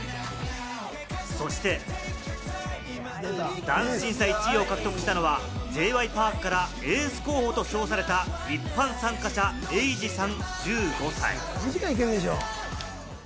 そして、ダンス審査１位を獲得したのは、Ｊ．Ｙ．Ｐａｒｋからエース候補と称された一般参加者・エイジさん１５歳。